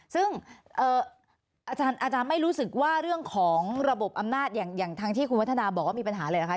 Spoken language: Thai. ซึ่งอาจารย์ไม่รู้สึกว่าเรื่องของระบบอำนาจอย่างทางที่คุณวัฒนาบอกว่ามีปัญหาเลยเหรอคะ